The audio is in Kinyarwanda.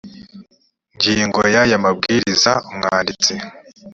ngingo ya y aya mabwiriza umwanditsi